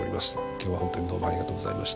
今日はほんとにどうもありがとうございました。